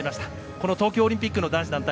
この東京オリンピックの男子団体